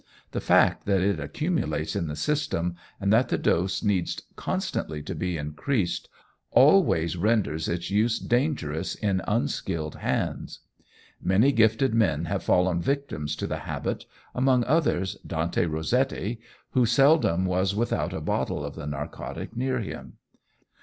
The fact that it accumulates in the system, and that the dose needs constantly to be increased, always renders its use dangerous in unskilled hands. Many gifted men have fallen victims to the habit, among others Dante Rossetti, who seldom was without a bottle of the narcotic near him.